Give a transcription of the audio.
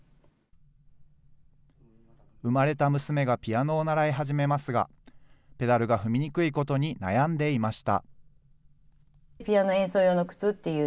生まれた娘がピアノを習い始めましたが、ペダルが踏みにくいことに悩んでいました。